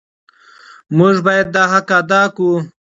موږ باید دا حق ادا کړو.